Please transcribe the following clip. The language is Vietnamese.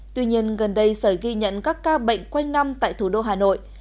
tuy nhiên gần đây sở ghi nhận các ca bệnh quanh năm tại thủ đô hà nội